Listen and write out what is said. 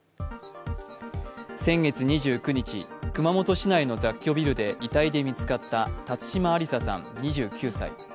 先月２９日、熊本市内の雑居ビルで遺体で見つかった辰島ありささん２９歳。